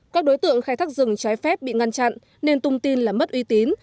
các đối tượng khai thác rừng trái phép bị ngăn chặn nên tung tin là mất uy tín